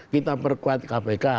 kita perkuat kpk